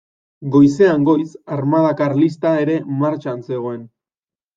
Goizean goiz armada karlista ere martxan zegoen.